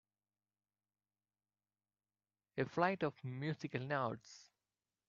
A flight of musical notes